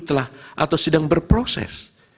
telah atau sedang berproses